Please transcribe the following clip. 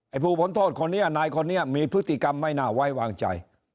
ผู้พ้นโทษคนนี้นายคนนี้มีพฤติกรรมไม่น่าไว้วางใจ